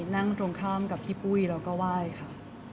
นั่งตรงข้ามกับพี่ปุ้ยแล้วก็ไหว้ค่ะ